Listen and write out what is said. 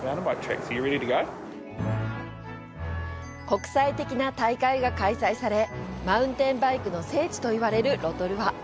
国際的な大会が開催されマウンテンバイクの聖地といわれるロトルア。